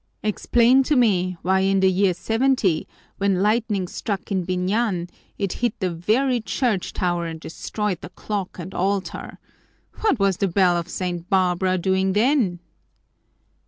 Explain to me why in the year '70, when lightning struck in Biñan, it hit the very church tower and destroyed the clock and altar. What was the bell of St. Barbara doing then?"